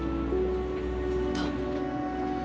どう？